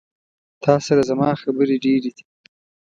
تا سره زما خبري ډيري دي